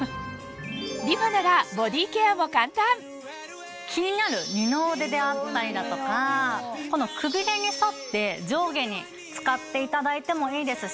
リファなら気になる二の腕であったりだとかこのくびれに沿って上下に使っていただいてもいいですし。